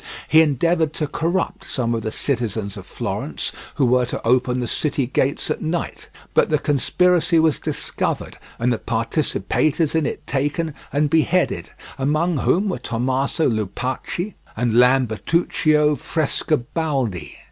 He endeavoured to corrupt some of the citizens of Florence, who were to open the city gates at night; but the conspiracy was discovered, and the participators in it taken and beheaded, among whom were Tommaso Lupacci and Lambertuccio Frescobaldi.